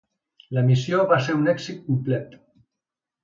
La missió va ser un èxit complet.